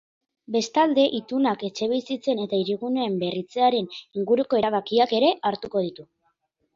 Bestalde, itunak etxebizitzen eta hiriguneen berritzearen inguruko erabakiak ere hartuko ditu.